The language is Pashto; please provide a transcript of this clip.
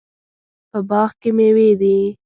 په باغ کې میوې دي